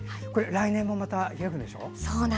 来年もまた開くんでしょ？